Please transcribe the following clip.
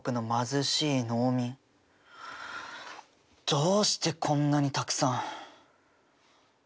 どうしてこんなにたくさん。